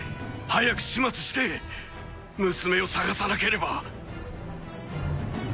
早く始末して娘を捜さなければ。